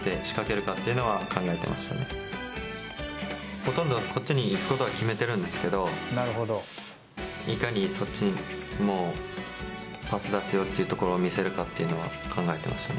ほとんどこっちに行くことは決めてるんですけどいかにそっちにパス出すよというところを見せるかは考えてましたね。